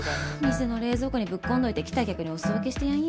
店の冷蔵庫にぶっ込んどいて来た客にお裾分けしてやんよ。